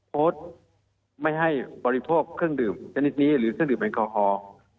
โพสต์ไม่ให้บริโภคเครื่องดื่มชนิดนี้หรือเครื่องดื่มแอลกอฮอล์